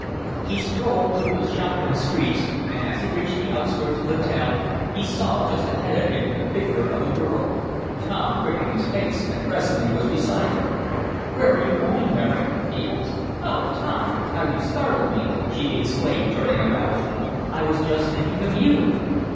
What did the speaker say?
He strolled through the Shopton streets, and as he reached the outskirts of the town, he saw just ahead of him the figure of a girl. Tom quickened his pace, and presently was beside her. "Where are you going, Mary?" he asked. "Oh, Tom! How you startled me!" she exclaimed, turning around. "I was just thinking of you."